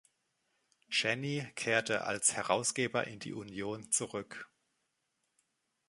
Cheney kehrte als Herausgeber in die Union zurück.